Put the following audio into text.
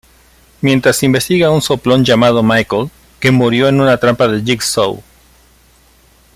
Mientras investiga a un soplón llamado Michael, que murió en una trampa de Jigsaw.